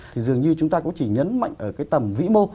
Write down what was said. thì dường như chúng ta cũng chỉ nhấn mạnh ở cái tầm vĩ mô